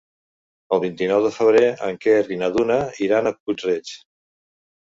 El vint-i-nou de febrer en Quer i na Duna iran a Puig-reig.